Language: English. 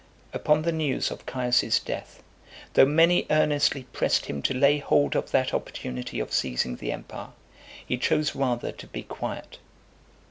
VII. Upon the news of Caius's death, though many earnestly pressed him to lay hold of that opportunity of seizing the empire, he chose rather to be quiet.